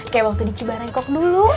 kayak waktu di cibarenkok dulu